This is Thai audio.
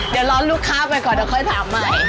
เดี๋ยวรอนลูกค้าไปก่อนจะค่อยถามใหม่